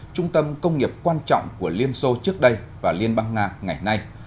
trung tâm công nghiệp quan trọng của liên xô trước đây và liên bang nga ngày nay